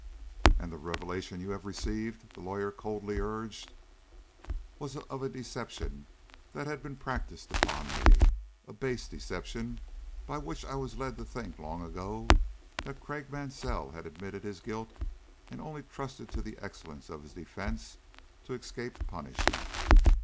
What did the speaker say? "And the revelation you have received?" the lawyer coldly urged. "Was of a deception that has been practised upon me a base deception by which I was led to think long ago that Craik Mansell had admitted his guilt and only trusted to the excellence of his defence to escape punishment."